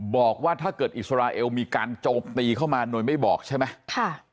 บอกว่าถ้าเกิดอิสราเอลมีการโจมตีเข้ามาโดยไม่บอกใช่ไหม